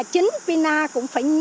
chính pina cũng phải